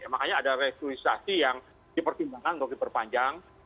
makanya ada restruisasi yang dipertimbangkan untuk diperpanjang